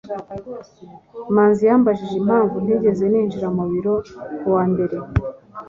manzi yambajije impamvu ntigeze ninjira mu biro ku wa mbere